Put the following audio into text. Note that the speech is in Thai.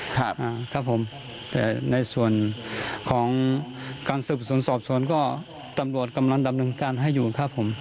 ครับอ่าครับผมแต่ในส่วนของการสืบสวนสอบสวนก็ตำรวจกำลังดำเนินการให้อยู่ครับผม